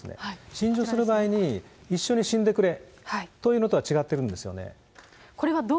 心中する場合に、一緒に死んでくれというのとは違っているんですよね。